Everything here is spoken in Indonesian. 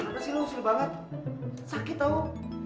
kenapa sih lo usil banget sakit tau